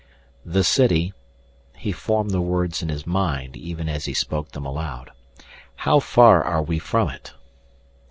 "The city " He formed the words in his mind even as he spoke them aloud. "How far are we from it?"